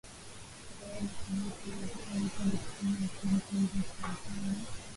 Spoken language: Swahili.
eeh na kuiweka wazi kabisa na kusema ukweli kwamba kwa mfano